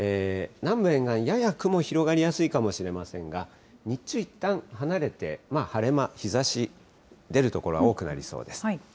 南部沿岸、やや雲、広がりやすいかもしれませんが、日中いったん離れて、晴れ間、日ざし、出る所が多くなりそうです。